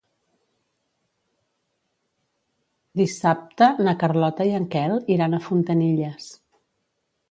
Dissabte na Carlota i en Quel iran a Fontanilles.